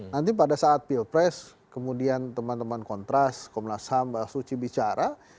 nanti pada saat pilpres kemudian teman teman kontras komnas ham mbak suci bicara